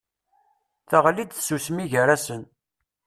Teɣli-d tsusmi gar-asen.